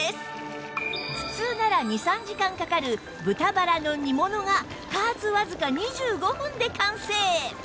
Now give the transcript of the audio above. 普通なら２３時間かかる豚バラの煮物が加圧わずか２５分で完成！